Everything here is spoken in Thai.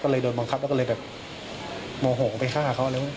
ก็เลยโดนบังคับโมโหไปฆ่าเขา